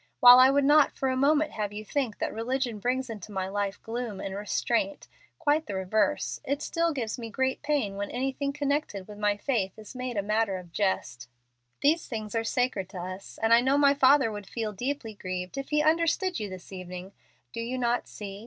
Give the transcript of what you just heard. While I would not for a moment have you think that religion brings into my life gloom and restraint quite the reverse still it gives me great pain when anything connected with my faith is made a matter of jest. These things are sacred to us, and I know my father would feel deeply grieved if he understood you this evening. Do you not see?